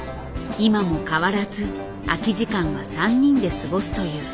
今も変わらず空き時間は３人で過ごすという。